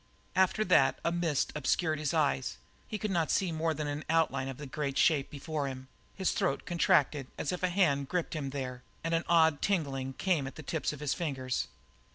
After that a mist obscured his eyes; he could not see more than an outline of the great shape before him; his throat contracted as if a hand gripped him there, and an odd tingling came at the tips of his fingers.